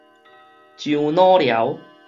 樟腦寮